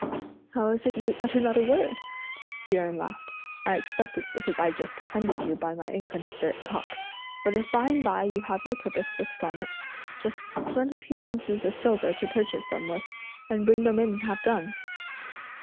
"How is it you utter not a word?" Hsi Jen laughed; "I expect it's because I just offended you by my inconsiderate talk! But if by and by you have your purpose fixed on it, just spend a few ounces of silver to purchase them with, and bring them in and have done!"